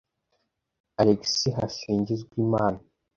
Alex Hasingizimana